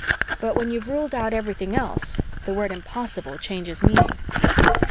But when you've ruled out everything else, the word impossible changes meaning.